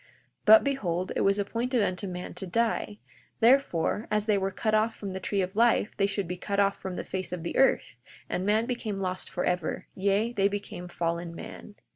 42:6 But behold, it was appointed unto man to die—therefore, as they were cut off from the tree of life they should be cut off from the face of the earth—and man became lost forever, yea, they became fallen man.